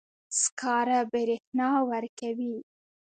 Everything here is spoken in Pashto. سکاره برېښنا ورکوي.